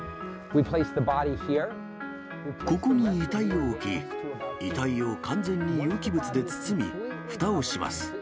ここに遺体を置き、遺体を完全に有機物で包み、ふたをします。